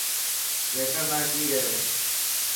ويٽر نا ڪي ڪيو.